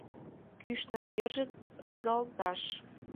Кӱшнӧ, йырже ызгалташ